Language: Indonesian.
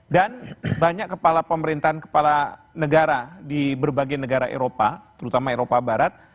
dan banyak kepala pemerintahan kepala negara di berbagai negara eropa terutama eropa barat